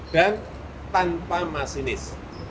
dan tanpa masinis